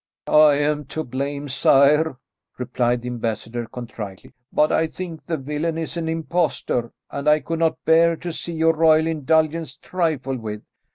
"I am to blame, sire," replied the ambassador contritely, "but I think the villain is an impostor, and I could not bear to see your royal indulgence trifled with.